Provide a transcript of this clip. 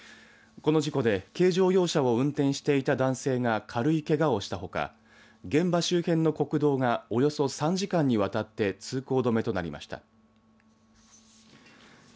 この事故で軽乗用車を運転していた男性が軽いけがをしたほか現場周辺の国道がおよそ３時間にわたって通行止めとなりました。